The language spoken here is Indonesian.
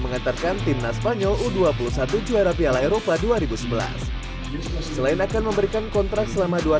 mengantarkan timnas spanyol u dua puluh satu juara piala eropa dua ribu sebelas selain akan memberikan kontrak selama dua